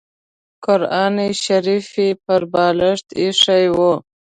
قران شریف یې پر بالښت اېښی و.